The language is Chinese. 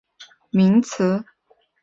旧热带界是生物地理学的一个名词。